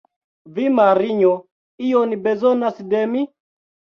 Vi, Marinjo, ion bezonas de mi?